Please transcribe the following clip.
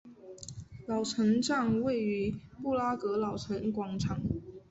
老城站位于布拉格老城广场。